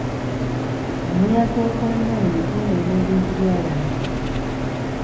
Omuyaga ogw'amaanyi gwonoona ebintu by'abantu.